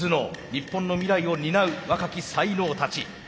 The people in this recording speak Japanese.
日本の未来を担う若き才能たち。